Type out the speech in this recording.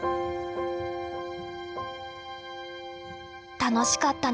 楽しかったなあ。